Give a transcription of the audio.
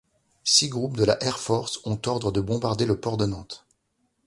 Six groupes de la Air Force ont ordre de bombarder le port de Nantes.